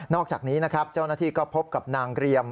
อกจากนี้นะครับเจ้าหน้าที่ก็พบกับนางเรียม